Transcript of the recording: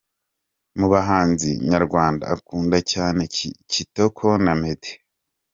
Mu bahanzi nyarwanda akunda cyane Kitoko na Meddy.